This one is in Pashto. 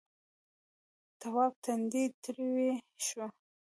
تواب تندی تريو شو.